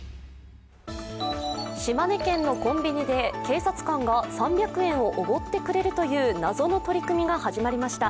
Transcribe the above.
島根県のコンビニで警察官が３００円をおごってくれるという謎の取り組みが始まりました。